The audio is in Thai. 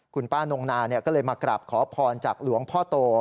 คุณป้าน้องนาเนี่ยก็เลยมากราบขอภอนจากหลวงพ่อโต